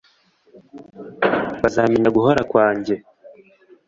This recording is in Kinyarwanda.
bazamenya guhora kwanjye.